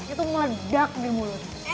itu meledak di mulut